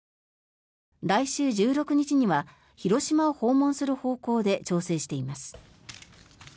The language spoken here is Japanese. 来週１６日には広島を訪問する方向で調整しています。